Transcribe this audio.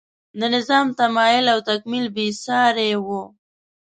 د نظام تمایل او تکمیل بې سارۍ و.